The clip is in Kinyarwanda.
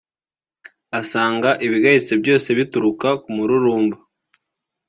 usanga ibigayitse byose bituruka ku mururumba